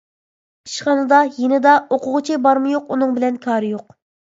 ئىشخانىدا، يېنىدا، ئوقۇغۇچى بارمۇ-يوق ئۇنىڭ بىلەن كارى يوق.